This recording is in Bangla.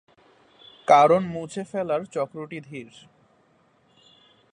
কারণ মুছে ফেলার চক্রটি ধীর।